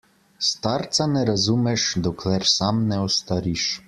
Starca ne razumeš, dokler sam ne ostariš.